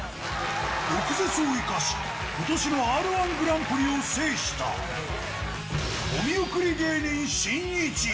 毒舌を生かし、ことしのＲー１グランプリを制した、お見送り芸人しんいち。